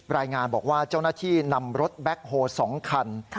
รายงานบอกว่าเจ้าหน้าที่นำรถแบ็คโฮ๒คัน